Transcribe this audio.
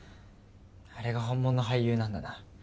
あれが本物の俳優なんだな。